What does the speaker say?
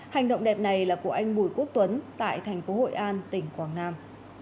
hành động đẹp này là của anh bùi quốc tuấn tại thành phố hội an tỉnh quảng nam